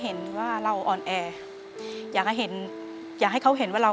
เปลี่ยนเพลงเพลงเก่งของคุณและข้ามผิดได้๑คำ